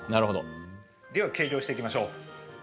では計量していきましょう。